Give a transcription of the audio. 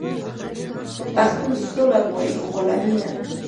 پښتون سوله غواړي خو غلامي نه.